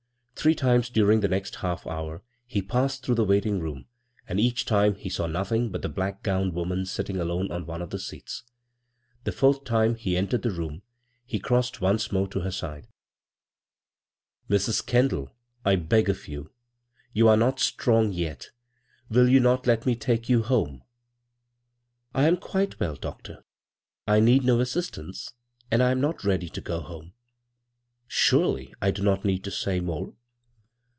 Three times during the next half hour he passed through the waiting room, and each time be saw nothing but the black gowned woman sitting alone on one of the seats. The fourth time he entered the itxxn, he crossed once more to her side. " Mrs. Kendall, I beg of you — ^you are not strong yet — will you not let me take you home ?"" I am quite well, doctor. I need no as sistance, and I am not ready to go home. Surdy I do not need to say more